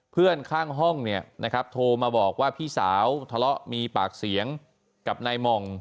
เพื่อนข้างห้องเนี่ยนะครับโทรมาบอกว่าพี่สาวทะเลาะมีปากเสียงกับนายหม่อง